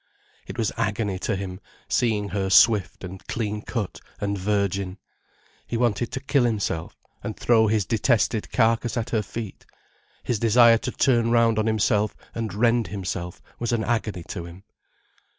It was agony to him, seeing her swift and clean cut and virgin. He wanted to kill himself, and throw his detested carcase at her feet. His desire to turn round on himself and rend himself was an agony to him.